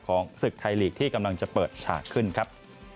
ศึกไทยลีกที่กำลังจะเปิดฉากขึ้นครับ